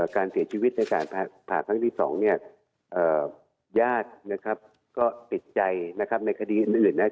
การเสียชีวิตในการผ่าครั้งที่๒ญาตินะครับก็ติดใจนะครับในคดีอื่นนะครับ